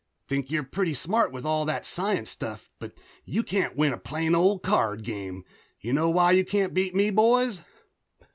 "Think you're pretty smarty with all that science stuff but you can't win a plain old card game. You know why you can't beat me, boys?"